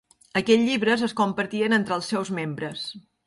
Aquests llibres es compartien entre els seus membres.